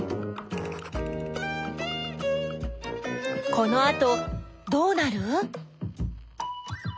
このあとどうなる？